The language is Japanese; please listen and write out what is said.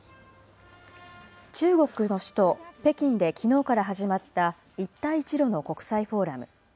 中国の首都北京できのうから始まった一帯一路の国際フォーラム。